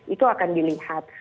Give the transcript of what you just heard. itu akan dilihat